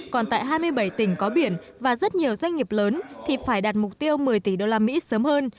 còn tại hai mươi bảy tỉnh có biển và rất nhiều doanh nghiệp lớn thì phải đạt mục tiêu một mươi tỷ đô la mỹ sớm hơn